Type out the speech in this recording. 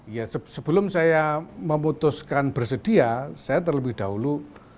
ya sebelum saya memutuskan bersedia saya terlebih dahulu